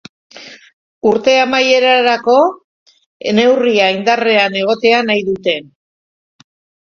Urte amaierarako neurria indarrean egotea nahi dute.